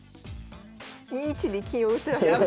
２一に金を打つらしいです。